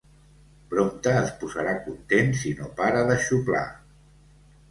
Prompte es posarà content si no para de xuplar.